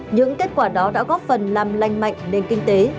những kết quả đó đã góp phần làm lanh mạnh nền kinh tế